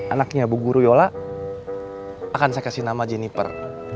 anaknya bu guruyola akan saya kasih nama jennifer